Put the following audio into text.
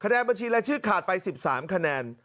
แนนบัญชีรายชื่อขาดไป๑๓คะแนน